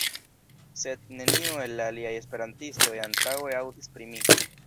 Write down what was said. Sed, neniu el la aliaj Esperantistoj antaŭe aŭdis pri mi.